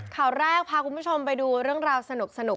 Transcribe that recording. ข่าวแรกพาคุณผู้ชมไปดูเรื่องราวสนุก